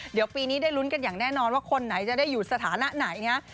เดี๋ยวปีนี้ได้ลุ้นกันอย่างแน่นอนว่าคนไหนจะได้อยู่สถานะไหนนะ